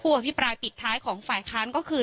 อภิปรายปิดท้ายของฝ่ายค้านก็คือ